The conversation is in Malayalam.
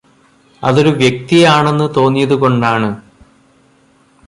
അതൊരു വ്യക്തിയാണെന്ന് തോന്നിയതുകൊണ്ടാണ്